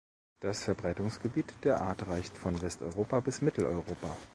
Das Verbreitungsgebiet der Art reicht von Westeuropa bis Mitteleuropa.